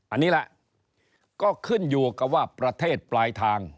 อันนี้แหละก็ขึ้นอยู่กับว่าประเทศปลายทาง